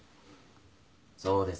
そうですよ。